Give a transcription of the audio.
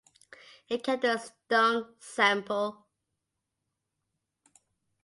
It kept the Stone sample.